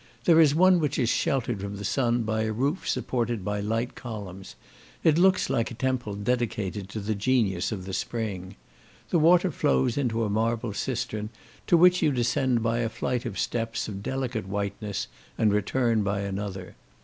There is one which is sheltered from the sun by a roof supported by light columns; it looks like a temple dedicated to the genius of the spring. The water flows into a marble cistern, to which you descend by a flight of steps of delicate whiteness, and return by another.